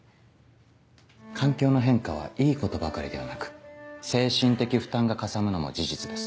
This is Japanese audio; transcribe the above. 環境の変化はいいことばかりではなく精神的負担がかさむのも事実です。